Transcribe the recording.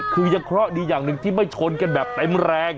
คือยังเคราะห์ดีอย่างหนึ่งที่ไม่ชนกันแบบเต็มแรง